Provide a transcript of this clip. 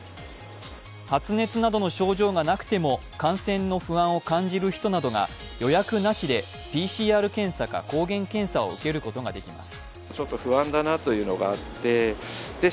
発熱などの症状がなくても感染の不安を感じる人などが予約なしでＰＣＲ検査か抗原検査を受けることができます。